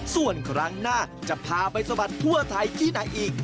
ส่วนครั้งหน้าจะพาไปสะบัดทั่วไทยที่ไหนอีก